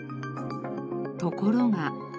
ところが。